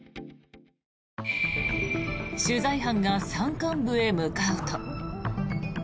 取材班が山間部へ向かうと。